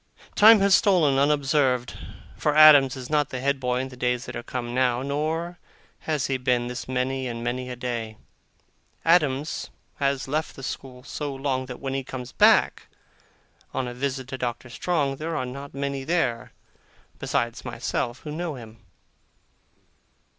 Time has stolen on unobserved, for Adams is not the head boy in the days that are come now, nor has he been this many and many a day. Adams has left the school so long, that when he comes back, on a visit to Doctor Strong, there are not many there, besides myself, who know him.